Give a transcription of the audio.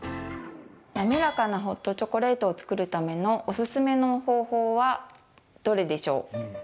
滑らかなホットチョコレートを作るためのおすすめの方法はどれでしょう。